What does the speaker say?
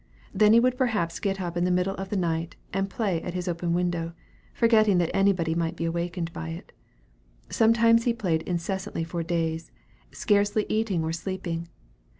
Then he would perhaps get up in the middle of the night, and play at his open window, forgetting that anybody might be awakened by it. Sometimes he played incessantly for days, scarcely eating or sleeping.